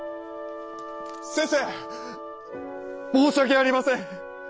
先生申し訳ありません！